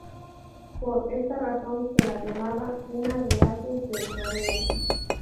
Por esta razón se la llamaba "Cuna de Ases del Toreo".